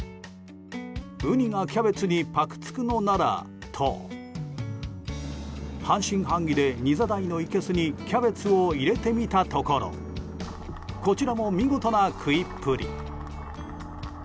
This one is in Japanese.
ウニがキャベツにパクつくのならと半信半疑でニザダイのいけすにキャベツを入れてみたところこちらも見事な食いっぷり。